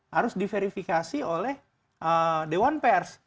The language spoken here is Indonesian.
harus diverifikasi oleh dewan pers